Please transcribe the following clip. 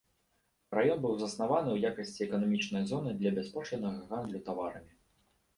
Раён быў заснаваны ў якасці эканамічнай зоны для бяспошліннага гандлю таварамі.